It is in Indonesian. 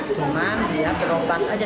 cuma dia berobat aja